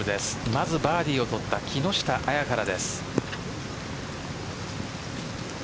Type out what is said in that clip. まずバーディーを取った木下彩からです。